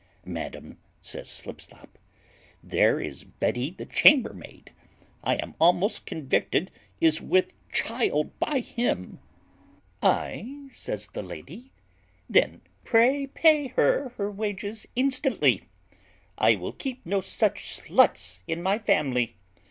"Madam," says Slipslop, "there is Betty the chambermaid, I am almost convicted, is with child by him." "Ay!" says the lady, "then pray pay her her wages instantly. I will keep no such sluts in my family.